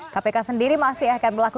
kpk sendiri masih akan berlaku